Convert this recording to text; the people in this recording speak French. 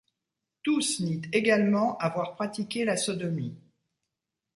Tous nient également avoir pratiqué la sodomie.